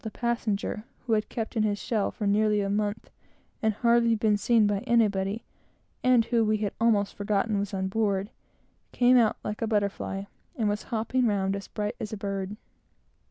the passenger, who had kept in his shell for nearly a month, and hardly been seen by anybody, and who we had almost forgotten was on board, came out like a butterfly, and was hopping round as bright as a bird.